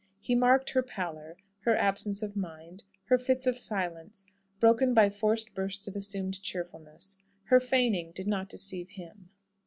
He marked her pallor, her absence of mind, her fits of silence, broken by forced bursts of assumed cheerfulness. Her feigning did not deceive him.